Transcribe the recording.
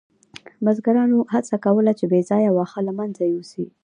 بزګرانو هڅه کوله چې بې ځایه واښه له منځه یوسي.